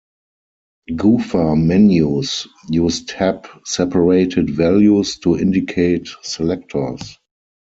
Gopher menus use tab-separated values to indicate selectors.